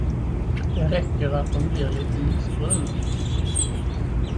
Det räcker att dom blir lite ljusbruna.